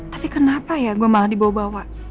tapi kenapa ya gue malah dibawa bawa